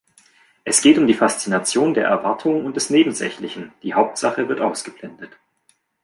Es geht um die Faszination der Erwartung und des Nebensächlichen, die Hauptsache wird ausgeblendet